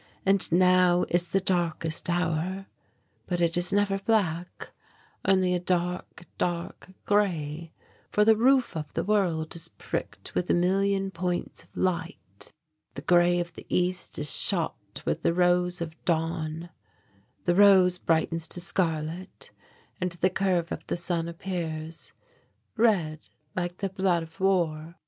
Now it is the darkest hour, but it is never black, only a dark, dark grey, for the roof of the world is pricked with a million points of light.... The grey of the east is shot with the rose of dawn.... The rose brightens to scarlet and the curve of the sun appears red like the blood of war....